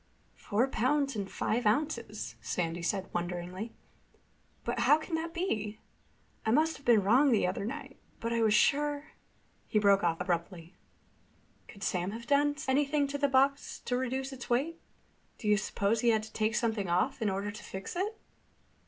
"Four pounds and five ounces," Sandy said wonderingly. "But how can that be? I must have been wrong the other night. But I was sure—" He broke off abruptly. "Could Sam have done anything to the box to reduce its weight? Do you suppose he had to take something off in order to fix it?"